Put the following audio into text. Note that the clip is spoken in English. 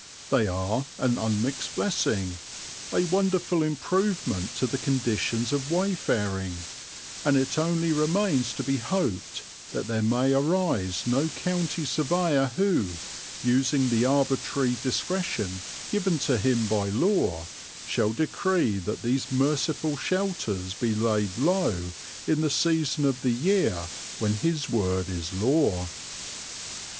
They are an unmixed blessing, a wonderful improvement to the conditions of wayfaring, and it only remains to be hoped that there may arise no county surveyor who, using the arbitrary discretion given to him by law, shall decree that these merciful shelters be laid low in the season of the year when his word is law.